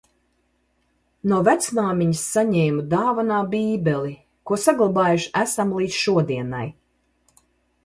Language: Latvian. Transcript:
No vecmāmiņas saņēmu dāvanā Bībeli, ko saglabājuši esam līdz šodienai.